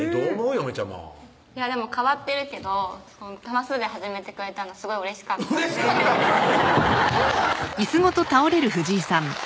嫁ちゃまでも変わってるけど玉すだれ始めてくれたのすごいうれしかったんでうれしかったんかい！